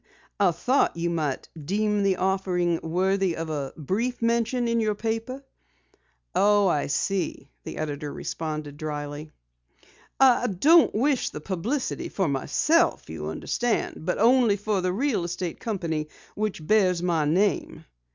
"I thought you might deem the offering worthy of a brief mention in your paper." "Oh, I see," the editor responded dryly. "I don't wish publicity for myself, you understand, but only for the real estate company which bears my name."